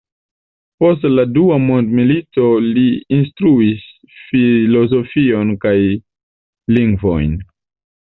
Post la dua mondmilito li instruis filozofion kaj lingvojn.